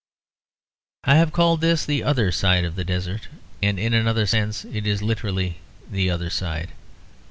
I have called this the other side of the desert; and in another sense it is literally the other side.